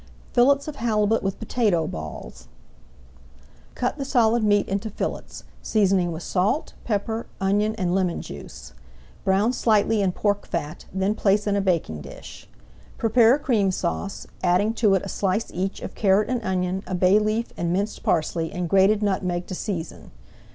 FILLETS OF HALIBUT WITH POTATO BALLS Cut the solid meat into fillets, seasoning with salt, pepper, onion and lemon juice. Brown slightly in pork fat, then place in a baking dish. Prepare a Cream Sauce, adding to it a slice each of carrot and onion, a bay leaf, and minced parsley and grated nutmeg to season.